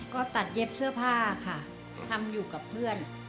ก็ตัดเย็บเสื้อผ้าค่ะทำอยู่กับเพื่อน